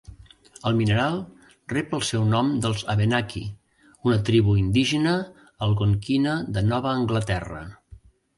El mineral rep el seu nom dels abenaki, una tribu indígena algonquina de Nova Anglaterra.